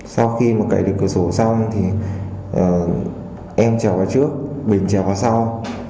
sau khi mà cậy được cửa sổ xong thì em trèo vào trước bình trèo vào sau